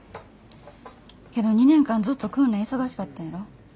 けど２年間ずっと訓練忙しかったんやろ？